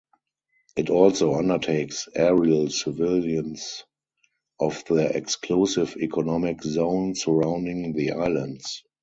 It also undertakes aerial surveillance of the exclusive economic zone surrounding the islands.